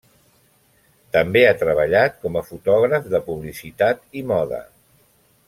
També ha treballat com a fotògraf de publicitat i moda.